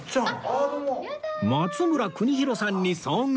松村邦洋さんに遭遇